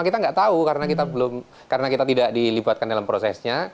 kita nggak tahu karena kita tidak dilibatkan dalam prosesnya